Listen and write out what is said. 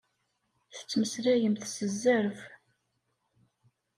Tettmeslayemt s zzerb.